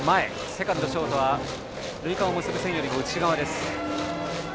セカンド、ショートは塁間を結ぶ線より内側です。